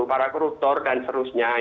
para koruptor dan seterusnya